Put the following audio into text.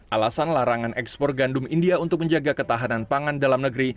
alasan larangan ekspor gandum india untuk menjaga ketahanan pangan dalam negeri